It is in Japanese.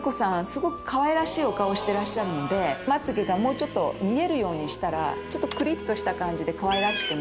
すごくかわいらしいお顔をしてらっしゃるのでまつげがもうちょっと見えるようにしたらちょっとクリっとした感じでかわいらしくなる。